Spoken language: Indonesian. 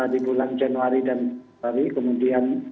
di bulan januari dan lalu kemudian